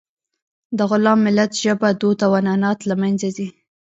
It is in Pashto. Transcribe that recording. د غلام ملت ژبه، دود او عنعنات له منځه ځي.